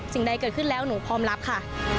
ใดเกิดขึ้นแล้วหนูพร้อมรับค่ะ